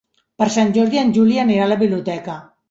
Per Sant Jordi en Juli anirà a la biblioteca.